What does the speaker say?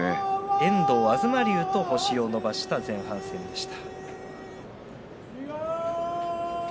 遠藤と東龍が星を伸ばした前半戦でした。